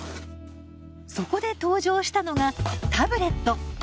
そこで登場したのがタブレット。